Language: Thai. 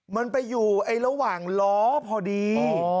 มันไปอยู่ระหว่างล้อพอดี